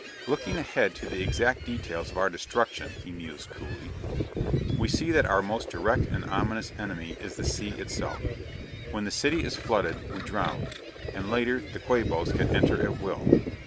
"Looking ahead to the exact details of our destruction," he mused coolly, "we see that our most direct and ominous enemy is the sea itself. When the city is flooded, we drown and later the Quabos can enter at will."